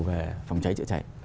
về phòng cháy chữa cháy